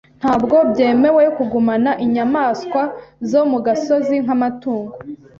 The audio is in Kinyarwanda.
Ntabwo byemewe kugumana inyamaswa zo mu gasozi nk'amatungo.